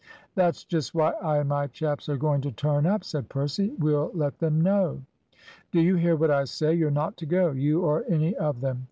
"That's just why I and my chaps are going to turn up," said Percy. "We'll let them know!" "Do you hear what I say? You're not to go, you or any of them.